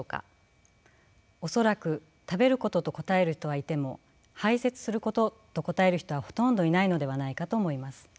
恐らく食べることと答える人はいても排泄することと答える人はほとんどいないのではないかと思います。